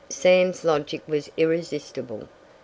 Sam's logic was irresistible.